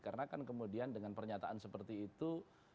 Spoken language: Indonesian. karena kan kemudian dengan pernyataan seperti itu